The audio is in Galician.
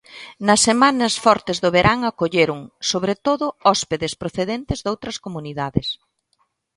Nas semanas fortes do verán acolleron, sobre todo, hóspedes procedentes doutras comunidades.